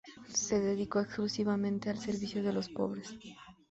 Se dedicó exclusivamente al servicio de los pobres.